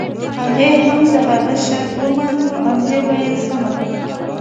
هغې هم د هغه شرط ومانه او ويې ويل سمه ده.